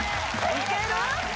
いける？